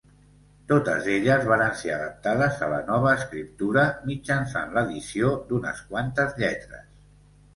Totes elles varen ser adaptades a la nova escriptura mitjançant l'addició d'unes quantes lletres.